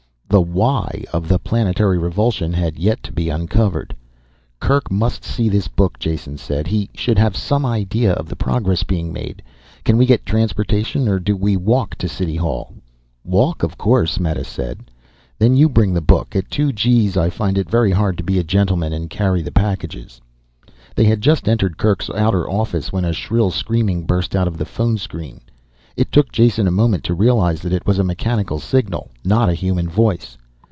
_ The "why" of the planetary revulsion had yet to be uncovered. "Kerk must see this book," Jason said. "He should have some idea of the progress being made. Can we get transportation or do we walk to city hall?" "Walk, of course," Meta said. "Then you bring the book. At two G's I find it very hard to be a gentleman and carry the packages." They had just entered Kerk's outer office when a shrill screaming burst out of the phone screen. It took Jason a moment to realize that it was a mechanical signal, not a human voice.